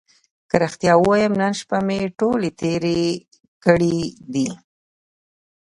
که رښتیا ووایم نن شپه مې ټولې تېرې کړې دي.